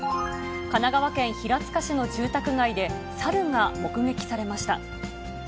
神奈川県平塚市の住宅街で、猿が目撃されました。